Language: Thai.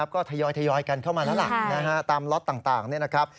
ก็ทยอยกันเข้ามาแล้วล่ะตามล็อตต่างนี่นะครับ